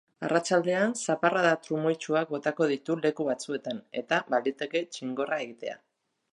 Arratsaldean zaparrada trumoitsuak botako ditu leku batzuetan, eta baliteke txingorra egitea.